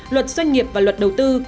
luật doanh nghiệp và luật đầu tư